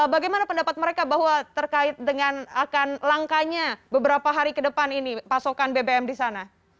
bagaimana pendapat mereka bahwa terkait dengan akan langkanya beberapa hari ke depan ini pasokan bbm di sana